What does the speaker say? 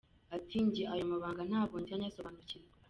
Ati “Njye ayo mabanga ntabwo njya nyasobanukirwa.